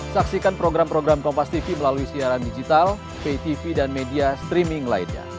saksikan program program kompastv melalui siaran digital ptv dan media streaming lainnya